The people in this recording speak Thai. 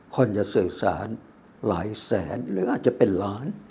คนจะสื่อสารหลายแสนหรืออาจจะเป็นล้าน